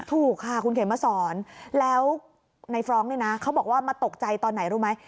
ถูกค่ะคุณเขมมาสอนแล้วในฟรองก์เนี่ยนะเขาบอกว่ามาตกใจตอนไหนรู้ไหม